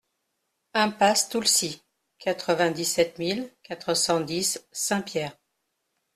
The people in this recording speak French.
Impasse Toolsy, quatre-vingt-dix-sept mille quatre cent dix Saint-Pierre